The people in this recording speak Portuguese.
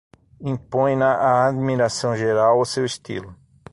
Impõem-na à admiração geral o seu Estilo.